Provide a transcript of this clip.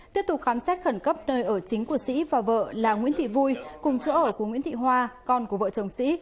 tiếp tục khám xét khẩn cấp nơi ở chính của sĩ và vợ là nguyễn thị vui cùng chỗ ở của nguyễn thị hoa con của vợ chồng sĩ